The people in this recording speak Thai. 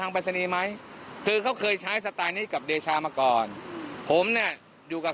อันนี้คือเขาใช้มาแล้วเราเห็นล่ะไง